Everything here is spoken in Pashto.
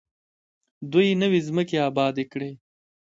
دوی نوې ځمکې ابادې کړې.